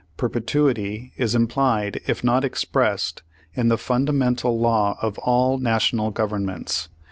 Perpetuity is implied if not expressed in the fundamental law of all national governments.